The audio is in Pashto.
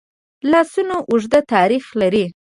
لاسونه اوږد تاریخ لري